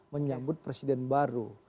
menyambut presiden baru